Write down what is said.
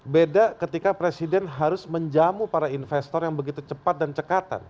beda ketika presiden harus menjamu para investor yang begitu cepat dan cekatan